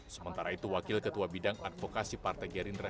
sementara itu wakil ketua bidang advokasi partai gerindra